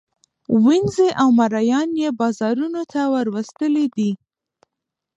وینزې او مرییان یې بازارانو ته وروستلي دي.